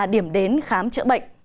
điểm đến khám chữa bệnh